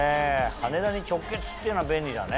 羽田に直結っていうのは便利だね。